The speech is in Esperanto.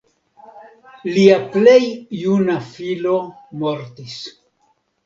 Lia plej juna filo mortis.